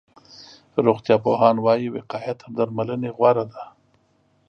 روغتيا پوهان وایي، وقایه تر درملنې غوره ده.